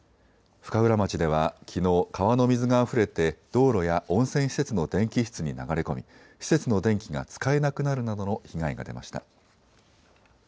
深浦町ではきのう、川の水があふれて道路や温泉施設の電気室に流れ込み施設の電気が使えなくなるなどの被害が出ました。